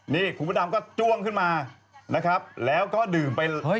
นี่คุณมดดำก็จ้วงขึ้นมาแล้วก็ดืม